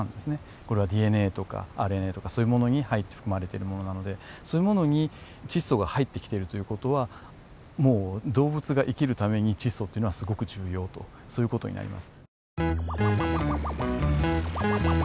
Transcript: これはＤＮＡとかＲＮＡとかそういうものに入って含まれているものなのでそういうものに窒素が入ってきているという事はもう動物が生きるために窒素っていうのはすごく重要とそういう事になります。